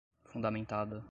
fundamentada